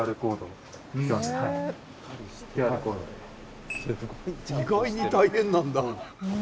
意外に大変なんだ。